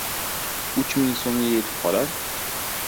Uch ming so‘mga yetib qolar.